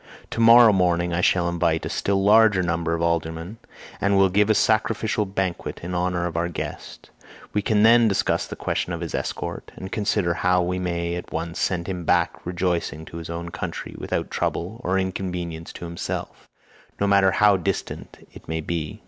To morrow morning I shall invite a still larger number of aldermen, and will give a sacrificial banquet in honour of our guest; we can then discuss the question of his escort, and consider how we may at once send him back rejoicing to his own country without trouble or inconvenience to himself, no matter how distant it may be.